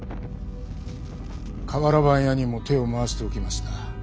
瓦版屋にも手を回しておきました。